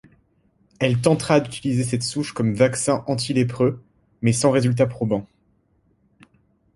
Elle tentera d'utiliser cette souche comme vaccin antilépreux mais sans résultat probant.